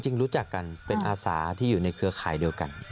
จริงรู้จักกันเป็นอาสาที่อยู่ในเครือข่ายเดียวกัน